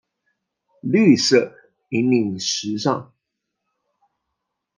绿色引领时尚。